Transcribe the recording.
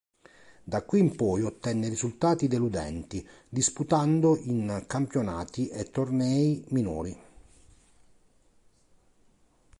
Da qui in poi ottenne risultati deludenti, disputando in campionati e tornei minori.